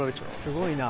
すごいな。